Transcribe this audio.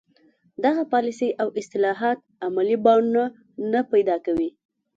دغه پالیسۍ او اصلاحات عملي بڼه نه پیدا کوي.